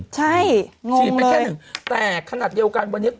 ใช่งงเลยฉีดไปแค่๑แต่ขนาดเลี่ยวกันวันนี้